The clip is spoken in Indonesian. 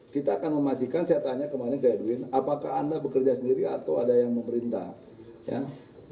kita akan memastikan saya tanya kemarin ke edwin apakah anda bekerja sendiri atau ada yang memerintah